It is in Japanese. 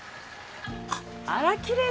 あらきれい。